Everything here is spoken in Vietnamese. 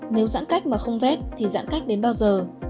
nếu giãn cách mà không vét thì giãn cách đến bao giờ